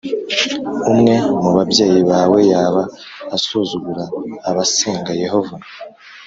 umwe mu babyeyi bawe yaba asuzugura abasenga Yehova.